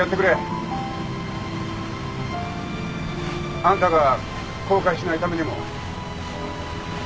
あんたが後悔しないためにも。